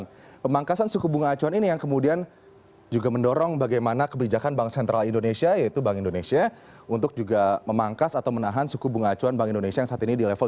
nah pemangkasan suku bunga acuan ini yang kemudian juga mendorong bagaimana kebijakan bank sentral indonesia yaitu bank indonesia untuk juga memangkas atau menahan suku bunga acuan bank indonesia yang saat ini di level tiga